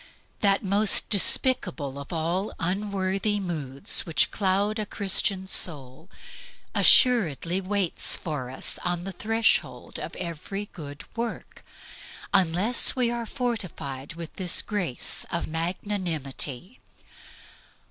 That most despicable of all the unworthy moods which cloud a Christian's soul assuredly waits for us on the threshold of every work, unless we are fortified with this grace of magnanimity.